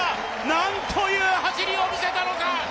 なんという走りを見せたのか！